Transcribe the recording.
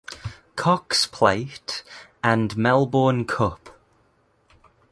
Cox Plate and Melbourne Cup.